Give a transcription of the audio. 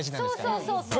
そうそうそうそう。